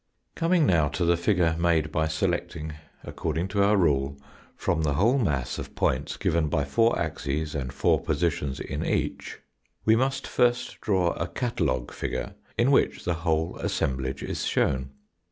Coming now to the figure made by selecting according to our rule from the whole mass of points given by four axes and four positions in each, we must first draw a catalogue figure in which the whole assemllage is shown.